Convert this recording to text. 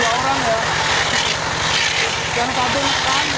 dan padangkan yang penting